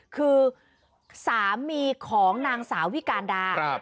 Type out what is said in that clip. คือสามีของนางสาววิการดา